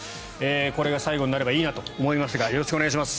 これが最後になればいいなと思いますがよろしくお願いします。